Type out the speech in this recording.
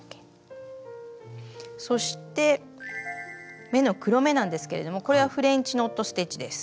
そして目の黒目なんですけれどもこれはフレンチノット・ステッチです。